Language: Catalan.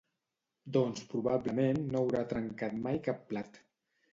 Doncs probablement no haurà trencat mai cap plat.